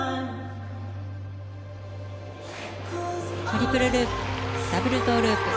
トリプルループダブルトウループ。